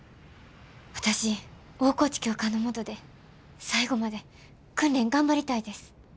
私大河内教官の下で最後まで訓練頑張りたいです。